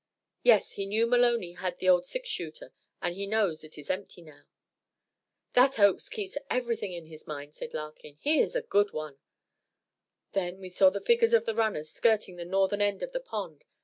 "Yes, he knew Maloney had the old six shooter, and he knows it is empty now." "That Oakes keeps everything in mind," said Larkin. "He is a good one." Then we saw the figures of the runners skirting the northern end of the pond.